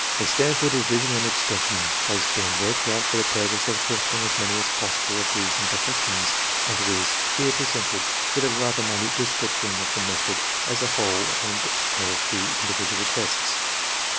The Stanford revision and extension has been worked out for the purpose of correcting as many as possible of these imperfections, and it is here presented with a rather minute description of the method as a whole and of the individual tests.